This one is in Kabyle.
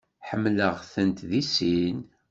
Ḥemmleɣ-tent deg sin.